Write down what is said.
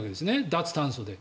脱炭素で。